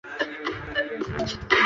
但周日请注意交通堵塞情况。